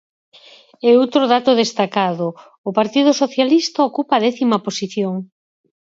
E outro dato destacado: o partido socialista ocupa a décima posición.